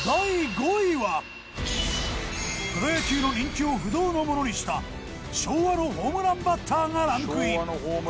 プロ野球の人気を不動のものにした昭和のホームランバッターがランクイン。